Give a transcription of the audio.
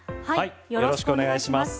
よろしくお願いします。